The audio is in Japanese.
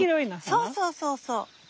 そうそうそうそう。